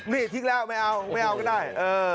นี่ทิ้งแล้วไม่เอาได้